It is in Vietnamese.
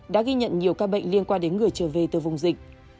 đã ghi nhận nhiều ca bệnh liên quan đến người trở về từ vùng dịch